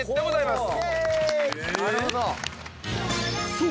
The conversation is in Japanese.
［そう。